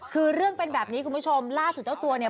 คือเรื่องเป็นแบบนี้คุณผู้ชมล่าสุดเจ้าตัวเนี่ย